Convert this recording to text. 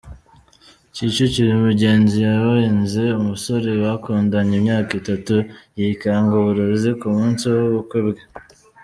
Kicukiro: Umugenzi yabenze umusore bakundanye imyaka itatu yikanga uburozi ku munsi w’ ubukwe bwe .